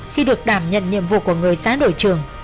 khi được đảm nhận nhiệm vụ của người xã đội trường